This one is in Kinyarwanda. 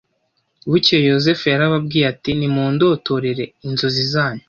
Bukeye Yozefu yarababwiye ati nimundotorere inzozi zanyu